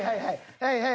はいはい。